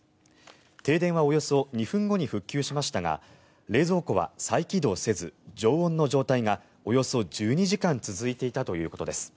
停電はおよそ２分後に復旧しましたが冷蔵庫は再起動せず常温の状態がおよそ１２時間続いていたということです。